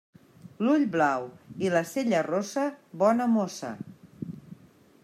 L'ull blau i la cella rossa, bona mossa.